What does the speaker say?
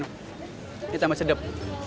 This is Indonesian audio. ini tambah sedap